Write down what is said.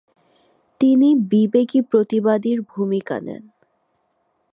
তিনি বিবেকী প্রতিবাদীর ভূমিকা নেন।